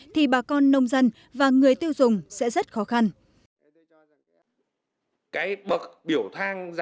thì bà con nông dân và người tiêu dùng sẽ rất khó khăn